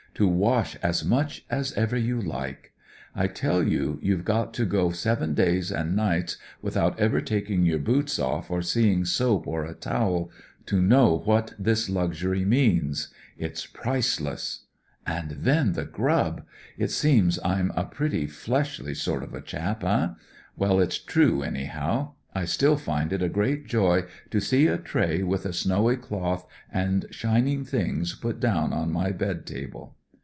To wash as much as ever you like I I tell you you've got to go seven days and nights without ever taking your boots off or seeing soap or a towel, to know what this luxury means — it's priceless. And then the grub. It seems I'm a pretty fleshly sort of a chap, eh ? Well, it's true, anyhow ; I still Und it a great joy to see a tray with a snowy cloth and shining things put down on my bed table.